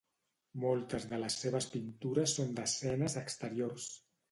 Moltes de les seves pintures són d'escenes exteriors.